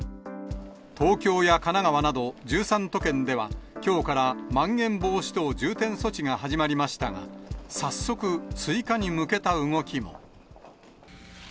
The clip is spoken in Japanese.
東京や神奈川など１３都県では、きょうからまん延防止等重点措置が始まりましたが、早速、追加に向けた動きも。